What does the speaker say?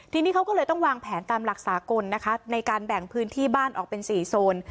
ทีนี้เขาก็เลยต้องวางแผนตามหลักสากลนะคะในการแบ่งพื้นที่บ้านออกเป็น๔โซน